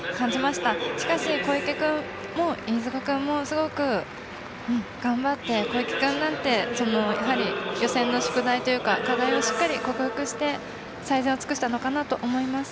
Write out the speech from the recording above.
しかし、小池君も飯塚君もすごく頑張って、小池君なんて予選の宿題というか課題をしっかり克服して最善を尽くしたのかなと思います。